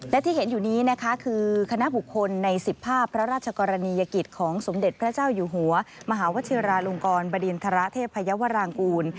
และที่เห็นอยู่นี้นะคะคือคณะบุคคลใน๑๐ภาพพระราชกรณียกิจของสมเด็จพระเจ้าอยู่หัวมหาวชิราลงกรบดินทรเทพยาวรางกูล